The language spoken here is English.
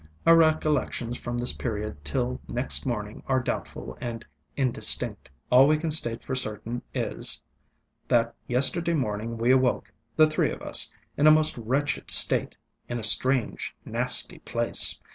Our recollections from this period till next morning are doubtful and indistinct. All we can state for certain is, that yesterday morning we awoke, the three of us, in a most wretched state, in a strange, nasty place.